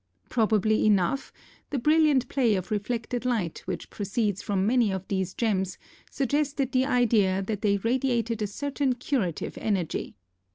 Probably enough, the brilliant play of reflected light which proceeds from many of these gems suggested the idea that they radiated a certain curative energy.